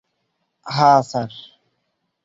হাহ, sir?